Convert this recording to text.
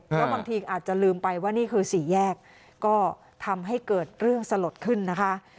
เพราะบางทีอาจจะลืมไปว่านี่คือสี่แยกก็ทำให้เกิดเรื่องสลดขึ้นนะคะ